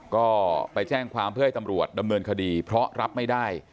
ก็ไปแจ้งความเพื่อให้ตำรวจดำเนินคดีเพราะรับไม่ได้